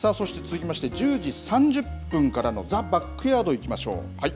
そして続きまして、１０時３０分からのザ・バックヤードいきましょう。